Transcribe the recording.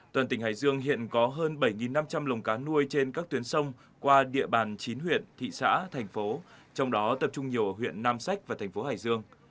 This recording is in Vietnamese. toàn tỉnh hải dương hiện có hơn bảy năm trăm linh lồng cá nuôi trên các tuyến sông qua địa bàn chín huyện thị xã thành phố trong đó tập trung nhiều ở huyện nam sách và thành phố hải dương